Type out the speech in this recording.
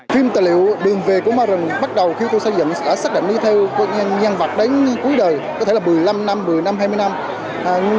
phim tài liệu đường về của mà rừng bắt đầu khi tôi xây dựng đã sắc đẩn đi theo những vật đánh cuối đời có thể là một mươi năm năm một mươi năm hai mươi năm